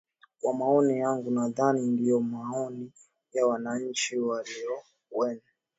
kwa maoni yangu nadhani ndiyo maoni ya wananchi walio wen